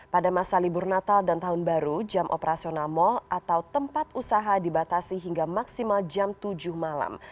pada masa libur natal dan tahun baru jam operasional mal atau tempat usaha dibatasi hingga maksimal jam tujuh malam